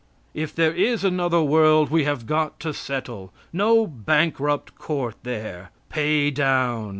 If there is another world we have got to settle. No bankrupt court there. Pay down.